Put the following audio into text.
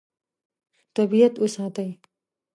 طبیعت وساتئ.